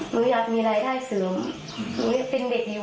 หนูอยากมีรายได้เสริมหนูยังเป็นเด็กอยู่